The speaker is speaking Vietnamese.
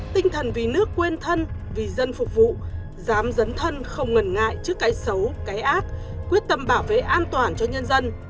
tinh thần vì nước quên thân vì dân phục vụ dám dấn thân không ngần ngại trước cái xấu cái ác quyết tâm bảo vệ an toàn cho nhân dân